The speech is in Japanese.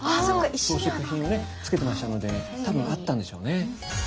装飾品をねつけてましたので多分あったんでしょうね。